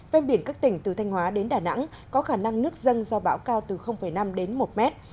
ven biển các tỉnh từ thanh hóa đến đà nẵng có khả năng nước dâng do bão cao từ năm đến một mét